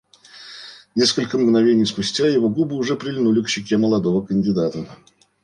Несколько мгновений спустя его губы уже прильнули к щеке молодого кандидата.